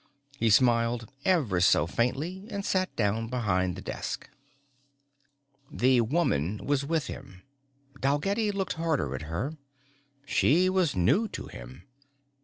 He smiled ever so faintly and sat down behind the desk. The woman was with him Dalgetty looked harder at her. She was new to him.